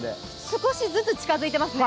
少しずつ近づいていますね。